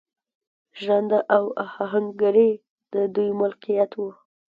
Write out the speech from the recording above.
ژرنده او اهنګري د دوی ملکیت و.